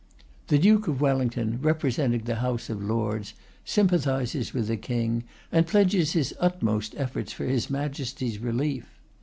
The Duke of Wellington, representing the House of Lords, sympathises with the King, and pledges his utmost efforts for his Majesty's relief.